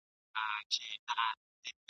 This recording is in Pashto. د رباب او سارنګ له شرنګ سره دادی !.